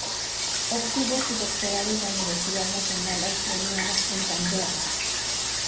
Obtuvo su doctorado en la Universidad Nacional Australiana en Camberra.